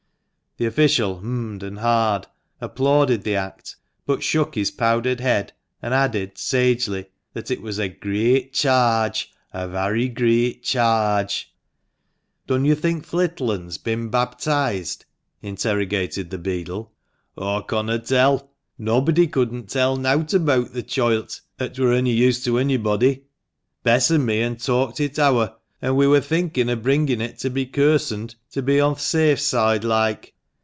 The official h'md and ha'd, applauded the act, but shook his powdered head, and added, sagely, that it was a "greeat charge, a varry greeat charge." " Dun yo' think th' little un's bin babtised ?" interrogated the beadle. "Aw conno* tell; nob'dy couldn't tell nowt abeawt th' choilt, 'ut wur ony use to onybody. Bess an' me han talked it ower, an' we wur thinkin' o' bringin' it to be kirsened, to be on th' safe soide loike.